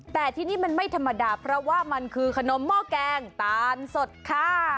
แต่ที่นี่มันไม่ธรรมดาเพราะว่ามันคือขนมหม้อแกงตาลสดค่ะ